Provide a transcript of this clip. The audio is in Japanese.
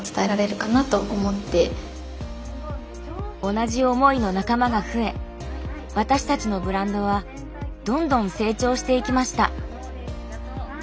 同じ思いの仲間が増え私たちのブランドはどんどん成長していきました。